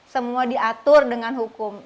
semua diatur dengan hukum